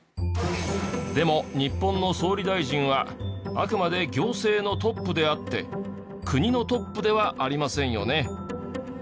でも日本の総理大臣はあくまで行政のトップであって国のトップではありませんよね。